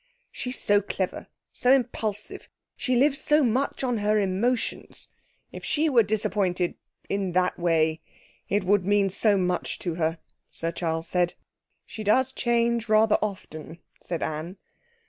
'She's so clever, so impulsive! She lives so much on her emotions. If she were disappointed in that way it would mean so much to her,' Sir Charles said. 'She does change rather often,' said Anne.